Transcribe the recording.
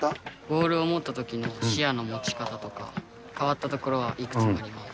ボールを持ったときの視野の持ち方とか、変わったところはいくつもあります。